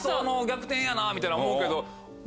やなみたいに思うけど。